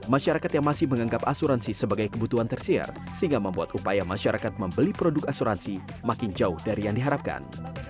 masyarakat yang masih menganggap asuransi sebagai kebutuhan tersiar sehingga membuat upaya masyarakat membeli produk asuransi makin jauh dari yang diharapkan